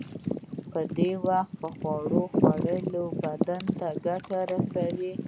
په وخت خواړه خوړل بدن ته گټه رسوي.